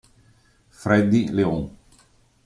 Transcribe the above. Freddy León